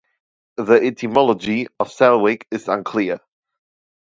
The etymology of Salwick is unclear.